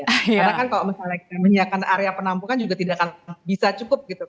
karena kan kalau misalnya kita menyiapkan area penampungan juga tidak akan bisa cukup gitu